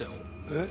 え？